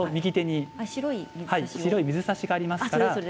白い水差しがありますからね。